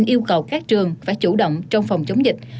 yêu cầu các trường phải chủ động trong phòng chống dịch